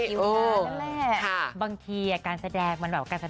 แม่ว่าคิวงานนั่นแหละบางทีอ่ะการแสดงมันแบบการแสดงสดเนอะ